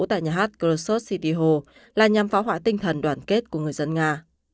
tại nhà hát khrushchev city hall là nhằm phá hoại tinh thần đoàn kết của người dân nga